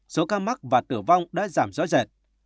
số ca mắc và tử vong đã giảm rõ rệt